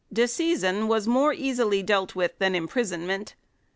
Disseisin was more easily dealt with than im prisonment.